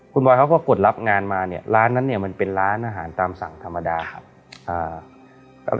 คุณบอยเขาก็กดรับงานมาเนี่ยร้านนั้นเนี่ยมันเป็นร้านอาหารตามสั่งธรรมดาครับ